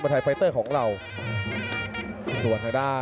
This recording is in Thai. สวัสดิ์นุ่มสตึกชัยโลธสวัสดิ์